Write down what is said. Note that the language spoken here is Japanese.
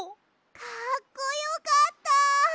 かっこよかった！